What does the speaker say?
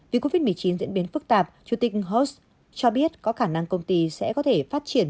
vì covid một mươi chín diễn biến phức tạp chủ tịch hos cho biết có khả năng công ty sẽ có thể phát triển